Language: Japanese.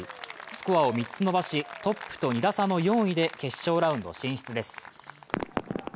スコアを３つ伸ばし、トップと２打差で４位で決勝ラウンド進出です。